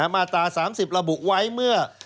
มาตรา๓๐ระบุไว้เมื่อ